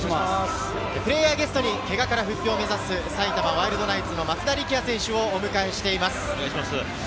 プレーヤーズゲストにけがからの復帰を目指す、埼玉ワイルドナイツの松田力也選手をお迎えしています。